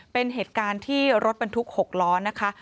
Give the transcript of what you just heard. เป็นเหตุการณ์ที่รถบรรทุก๖ล้อนะคะ